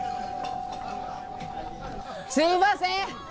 すみません！